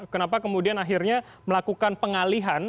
kenapa kemudian akhirnya melakukan pengalihan